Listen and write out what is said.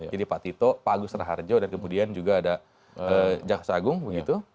jadi pak tito pak agus raharjo dan kemudian juga ada jaksa agung begitu